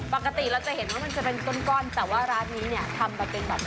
ปกติเราจะเห็นว่ามันจะเป็นก้อนแต่ว่าร้านนี้เนี่ยทำไปเป็นแบบ